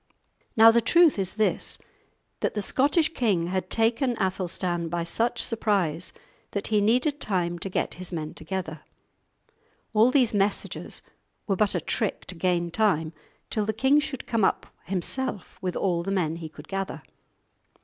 Now the truth is this: that the Scottish king had taken Athelstan by such surprise that he needed time to get his men together; all these messages were but a trick to gain time till the king should come up himself with all the men he could gather.